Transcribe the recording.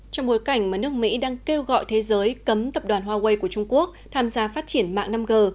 trong bối cảnh mà nước mỹ đang kêu gọi thế giới cấm tập đoàn huawei của trung quốc tham gia phát triển mạng năm g